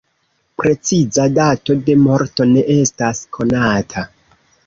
Preciza dato de morto ne estas konata.